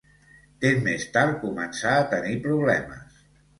Temps més tard, començarà a tenir problemes.